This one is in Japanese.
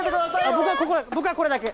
僕はこれだけ。